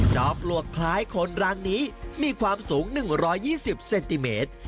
ปลวกคล้ายคนรังนี้มีความสูง๑๒๐เซนติเมตร